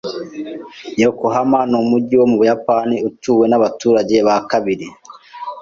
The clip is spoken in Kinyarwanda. Yokohama n'umujyi wo mu Buyapani utuwe n'abaturage ba kabiri.